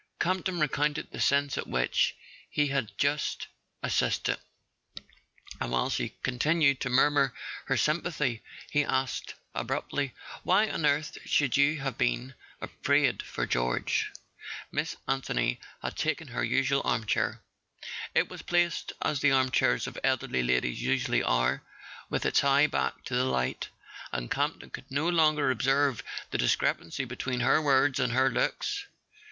Campton recounted the scene at which he had just assisted, and while she continued to murmur her sym¬ pathy he asked abruptly: "Why on earth should you have been afraid for George ?"[ 210 ] A SON AT THE FRONT Miss Anthony had taken her usual armchair. It was placed, as the armchairs of elderly ladies usually are, with its high back to the light, and Campton could no longer observe the discrepancy between her words and her looks.